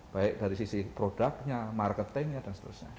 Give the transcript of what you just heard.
baik dari sisi produknya marketingnya dan seterusnya